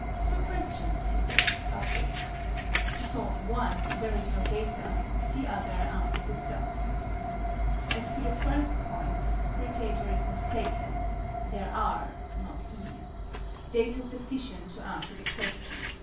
"Two questions," he says, "are put. To solve one there is no data: the other answers itself." As to the first point, SCRUTATOR is mistaken; there are (not "is") data sufficient to answer the question.